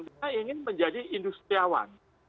dia ingin menjadi industriawan